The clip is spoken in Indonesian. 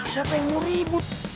siapa yang mau ribut